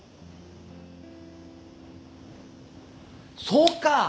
そうか！